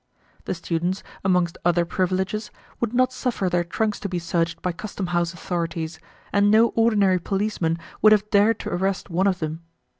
The students, amongst other privileges, would not suffer their trunks to be searched by customhouse authorities, and no ordinary policeman would have dared to arrest one of them.